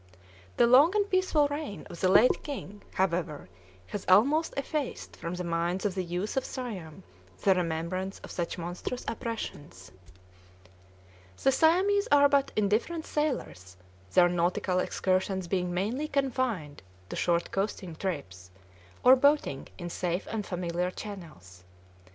The long and peaceful reign of the late king, however, has almost effaced from the minds of the youth of Siam the remembrance of such monstrous oppressions. The Siamese are but indifferent sailors, their nautical excursions being mainly confined to short coasting trips, or boating in safe and familiar channels.